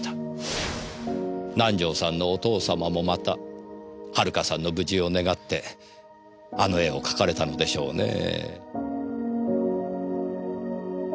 南条さんのお父様もまた遥さんの無事を願ってあの絵を描かれたのでしょうねぇ。